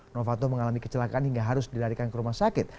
novanto mengalami kecelakaan hingga harus dilarikan ke rumah sakit